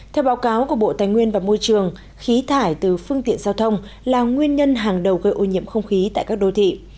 theo báo cáo của bộ tài nguyên và môi trường khí thải từ phương tiện giao thông là nguyên nhân hàng đầu gây ô nhiễm không khí tại các đô thị